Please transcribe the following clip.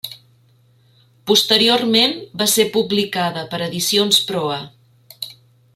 Posteriorment va ser publicada per Edicions Proa.